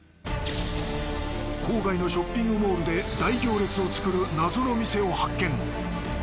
郊外のショッピングモールで大行列を作る謎の店を発見